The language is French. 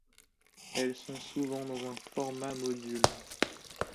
Elles sont souvent dans un format module.